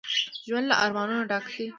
ژوند له ارمانونو ډک دی